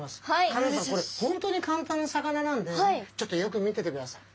香音さんこれ本当に簡単な魚なんでちょっとよく見ててください。